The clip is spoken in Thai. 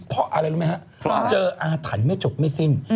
เพราะอะไรรู้ไหมครับเจออาถรรพ์ไม่จบไม่สิ้น